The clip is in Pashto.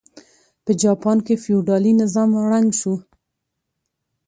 په جاپان کې فیوډالي نظام ړنګ شو.